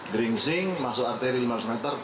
dringsing masuk arteri lima ratus meter